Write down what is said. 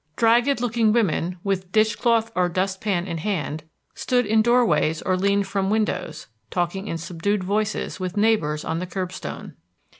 Dragged looking women, with dishcloth or dustpan in hand, stood in door ways or leaned from windows, talking in subdued voices with neighbors on the curb stone.